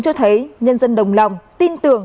cho thấy nhân dân đồng lòng tin tưởng